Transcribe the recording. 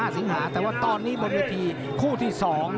๒๕สิงหาแต่ว่าตอนนี้บนแผนที่๒